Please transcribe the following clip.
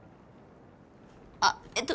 あっえっと